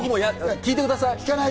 聞いてください。